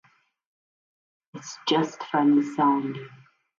It's just funny sounding.